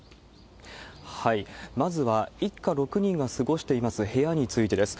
まずは、一家６人が過ごしています部屋についてです。